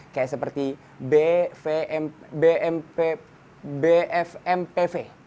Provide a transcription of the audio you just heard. kayak seperti b f m p v